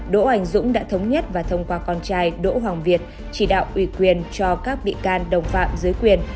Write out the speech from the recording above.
đỗ anh dũng đã thống nhất và thông qua con trai đỗ hoàng việt chỉ đạo ủy quyền cho các bị can đồng phạm dưới quyền